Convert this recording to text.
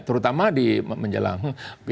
terutama di menjelang